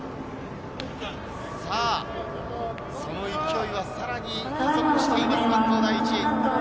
その勢いはさらに加速しています、関東第一。